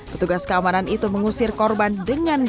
petugas keamanan itu mengusir korban dengan kasar hingga menangis